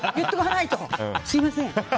すみません。